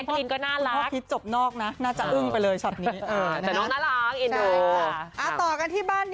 นี่ก็หวานหน้าค้องพรุ่งวีล